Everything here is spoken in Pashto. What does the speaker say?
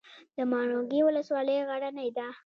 د ماڼوګي ولسوالۍ غرنۍ ده